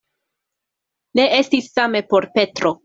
Ne estis same por Petro.